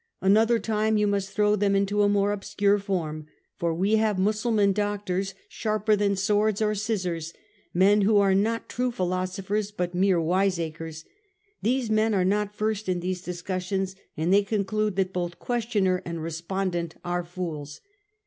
Another time you must throw them into a more obscure form ; for we have Mussulman doctors, sharper than swords or scissors, men who are not true philosophers but mere wiseacres ; these men are not versed in these discussions, and they conclude that both questioner and respondent are fools.